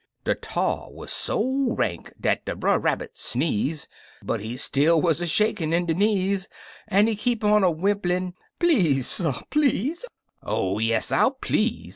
De tar wuz so rank dat Brer Rabbit sneeze, But he still wuz shakin' in de knees, An'hekeepona whimplin', "Please, suh, pleasel" "Oh, yes! I'll please!"